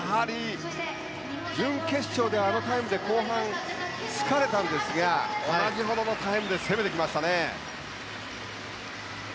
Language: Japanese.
準決勝であのタイムで後半疲れたんですが同じくらいのタイムで攻めてきましたね。